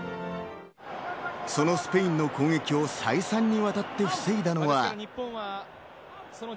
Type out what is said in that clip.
そのスペインの攻撃を再三にわたって防いだのが。